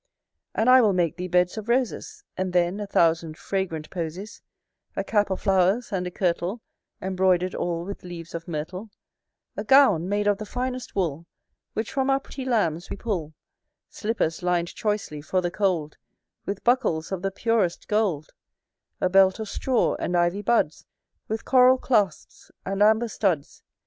And I will make thee beds of roses; And, then, a thousand fragrant posies; A cap of flowers, and a kirtle, Embroidered all with leaves of myrtle; A gown made of the finest wool Which from our pretty lambs we pull Slippers, lin'd choicely for the cold, With buckles of the purest gold; A belt of straw and ivy buds, With coral clasps, and amber studs.